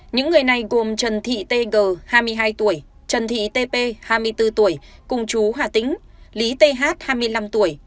những người này gồm trần thị t g hai mươi hai tuổi trần thị t p hai mươi bốn tuổi cùng chú hà tĩnh lý t h hai mươi năm tuổi